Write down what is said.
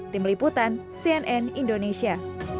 tim liputan cnn indonesia